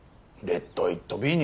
レットイットビー？